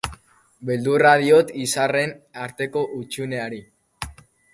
Beldurra diot izarren arteko hutsuneari.